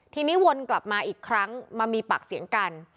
ทีนี้วนกลับมาอีกครั้งมามีปากเสียงกัน